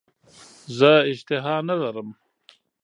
زه اشتها نه لرم .